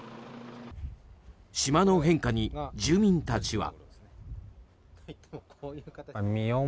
島の変化に住民たちは。